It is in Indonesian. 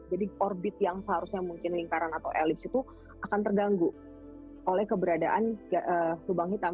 jadi orbit yang seharusnya mungkin lingkaran atau elips itu akan terganggu oleh keberadaan lubang hitam